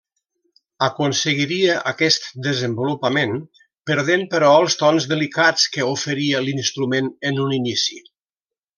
Aconseguiria aquest desenvolupament, perdent però els tons delicats que oferia l'instrument en un inici.